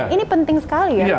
ini penting sekali ya